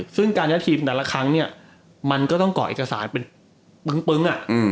ซึ่งการย้ายทีมแต่ละครั้งเนี่ยมันก็ต้องเกาะเอกสารเป็นปึ้ง